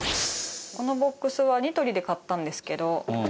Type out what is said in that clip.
このボックスはニトリで買ったんですけど。